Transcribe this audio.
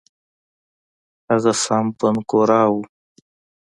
هغه سام بنګورا وو.